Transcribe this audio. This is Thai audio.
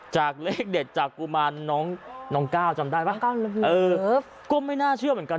จากเลขเด็ดจากกุมารน้องน้องก้าวจำได้ป่ะเออก็ไม่น่าเชื่อเหมือนกัน